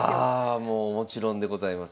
もうもちろんでございます。